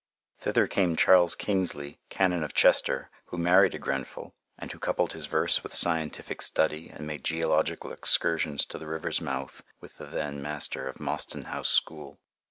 Thither came Charles Kingsley, Canon of Chester, who married a Grenfell, and who coupled his verse with scientific study and made geological excursions to the river's mouth with the then Master of Mostyn House School.